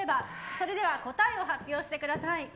それでは答えを発表してください。